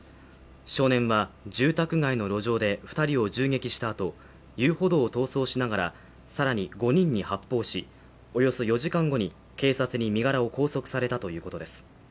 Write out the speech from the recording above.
少年は住宅街の路上で２人を銃撃したあと、遊歩道を逃走しながら更に５人に発砲し、およそ４時間後に警察に身柄を拘束されたということです。